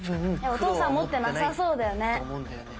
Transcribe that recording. お父さん持ってなさそうだよね。